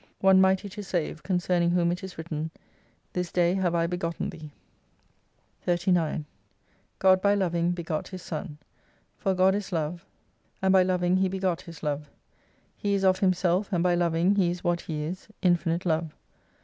One mighty to save, concerning whom it is written, This day have I begotten Thee, 39 God by loving begot His Son. For God is Love, and by loving He begot His Love. He is of Himself, and by loving He is what He is, INFINITE LOVE.